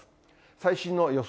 最新の予想